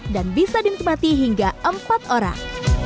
dan bisa dinikmati hingga empat orang